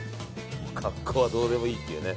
もう格好はどうでもいいっていうね。